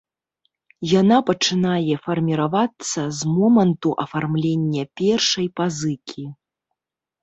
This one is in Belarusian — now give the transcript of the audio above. Яна пачынае фарміравацца з моманту афармлення першай пазыкі.